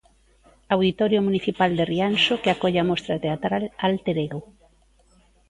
Auditorio municipal de Rianxo, que acolle a mostra teatral Alter Ego.